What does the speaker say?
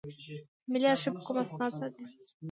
ملي آرشیف کوم اسناد ساتي؟